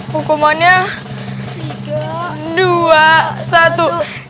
hukumannya dua satu